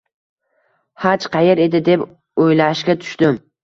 Haj qayer edi deb oʻylashga tushdim.